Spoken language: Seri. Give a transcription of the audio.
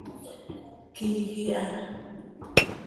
quiij iha.